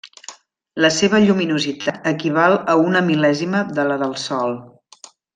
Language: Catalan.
La seva lluminositat equival a una mil·lèsima de la del Sol.